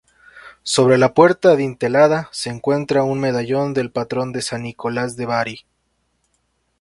Sobre la puerta adintelada se encuentra un medallón del patrón San Nicolás de Bari.